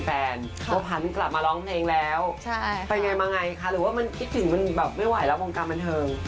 เพราะหันกลับมาร้องเพลงแล้วไปไงมาไงคะหรือว่ามันคิดถึงมันแบบไม่ไหวแล้ววงการบันเทิง